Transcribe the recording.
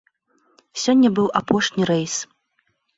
Сёння быў апошні рэйс.